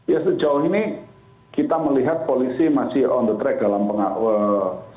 ya sejauh ini kita melihat polisi masih on the track dalam pengakuan